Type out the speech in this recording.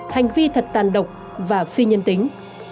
hành vi thật tàn độc và phi nhân tính